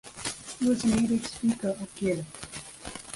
He was a native speaker of Gaelic.